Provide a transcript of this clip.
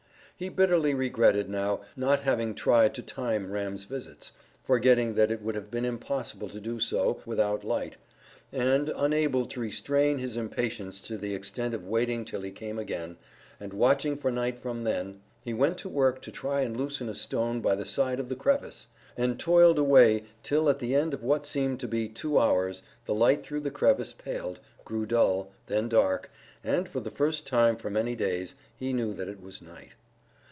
He bitterly regretted now not having tried to time Ram's visits, forgetting that it would have been impossible to do so without light, and, unable to restrain his impatience to the extent of waiting till he came again, and watching for night from then, he went to work to try and loosen a stone by the side of the crevice, and toiled away till at the end of what seemed to be two hours, the light through the crevice paled, grew dull, then dark, and for the first time for many days he knew that it was night.